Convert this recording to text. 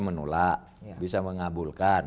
menolak bisa mengabulkan